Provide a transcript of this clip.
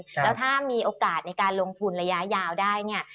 แล้วถ้ามีโอกาสในการลงทุนระยะยาวได้เนี่ย